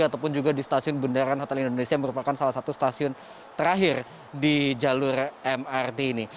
ataupun juga di stasiun bundaran hotel indonesia yang merupakan salah satu stasiun terakhir di jalur mrt ini